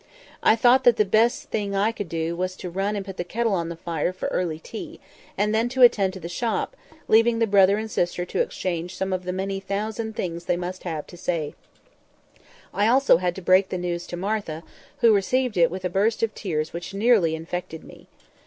I thought that the best I could do was to run and put the kettle on the fire for early tea, and then to attend to the shop, leaving the brother and sister to exchange some of the many thousand things they must have to say. I had also to break the news to Martha, who received it with a burst of tears which nearly infected me.